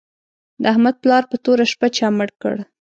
د احمد پلار په توره شپه چا مړ کړ